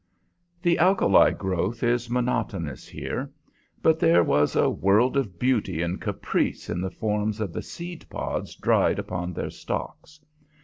The alkali growth is monotonous here; but there was a world of beauty and caprice in the forms of the seed pods dried upon their stalks.